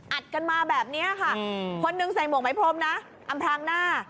อัดกันมาแบบนี้ค่ะคนหนึ่งใส่หมวกไหมพรมนะอำพลางหน้า